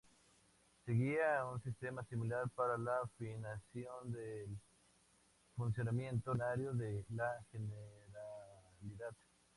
Seguía un sistema similar, para la financiación del funcionamiento ordinario de la Generalidad.